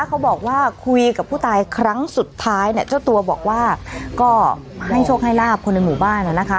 เขาบอกว่าคุยกับผู้ตายครั้งสุดท้ายเนี่ยเจ้าตัวบอกว่าก็ให้โชคให้ลาบคนในหมู่บ้านนะคะ